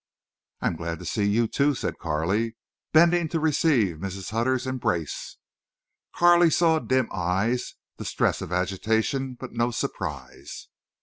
"I'm glad to see you, too," said Carley, bending to receive Mrs. Hutter's embrace. Carley saw dim eyes—the stress of agitation, but no surprise.